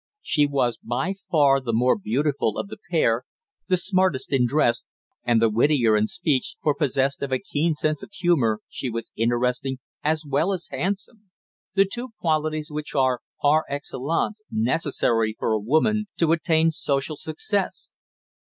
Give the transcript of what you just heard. She was by far the more beautiful of the pair, the smartest in dress, and the wittier in speech, for possessed of a keen sense of humour, she was interesting as well as handsome the two qualities which are par excellence necessary for a woman to attain social success.